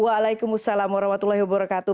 waalaikumsalam warahmatullahi wabarakatuh